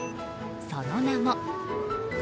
その名も。